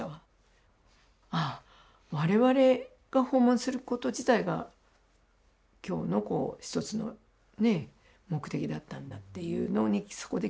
ああ我々が訪問すること自体が今日の一つのね目的だったんだっていうのにそこで気づくんですね。